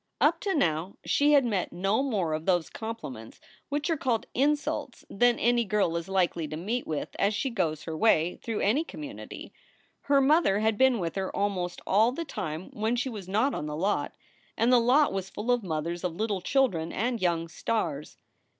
Up to now she had met no more of those compliments which are called "insults" than any girl is likely to meet with as she goes her way through any community. Her mother had been with her almost all the time when she was not on the lot, and the lot was full of mothers of little chil dren and young stars.